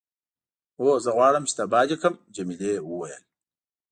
هو، زه غواړم چې تباه دې کړم. جميلې وويل:.